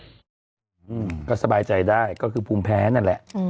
อืมก็สบายใจได้ก็คือภูมิแพ้นั่นแหละ